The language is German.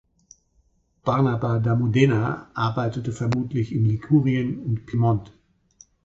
Barnaba da Modena arbeitete vermutlich in Ligurien und Piemont.